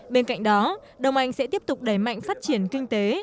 bên cạnh đó đông anh sẽ tiếp tục đẩy mạnh phát triển kinh tế